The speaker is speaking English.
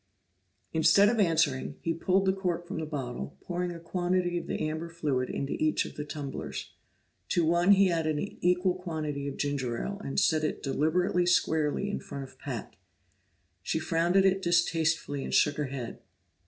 Instead of answering, he pulled the cork from the bottle, pouring a quantity of the amber fluid into each of the tumblers. To one he added an equal quantity of ginger ale, and set it deliberately squarely in front of Pat. She frowned at it distastefully, and shook her head.